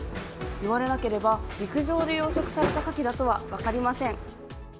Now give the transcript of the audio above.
言われなければ陸上で養殖されたかきだとは分かりません。